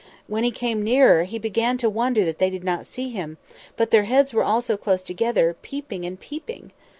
When he came nearer, he began to wonder that they did not see him; but their heads were all so close together, peeping and peeping!